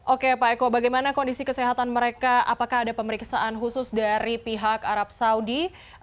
oke pak eko bagaimana kondisi kesehatan mereka apakah ada pemeriksaan khusus dari pihak arab saudi